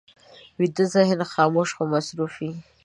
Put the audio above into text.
ویده ذهن خاموش خو مصروف وي